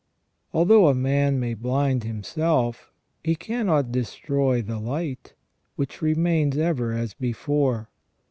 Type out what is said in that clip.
Although a man may blind himself, he cannot destroy the light, which remains ever as before.